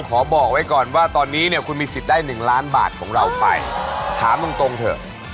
บอกไว้ก่อนว่าตอนนี้เนี่ยคุณมีสิทธิ์ได้๑ล้านบาทของเราไปถามตรงตรงเถอะ